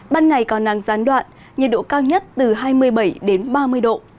ban ngày có năng gián đoạn nhiệt độ cao nhất từ hai mươi bảy đến ba mươi độ